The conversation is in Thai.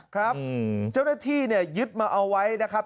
ครับเจ้าหน้าที่เนี่ยยึดมาเอาไว้นะครับ